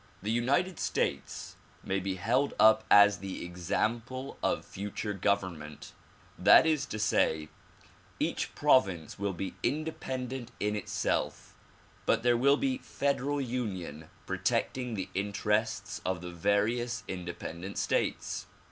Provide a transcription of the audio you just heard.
The United States may be held up as the example of future government, that is to say, eaich province will be independent in itself but there will be federal union protecting the interests of the various inde pendent states.